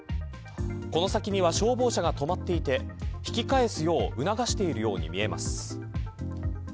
この先には消防車が止まっていて引き返すよう促しているように見えます。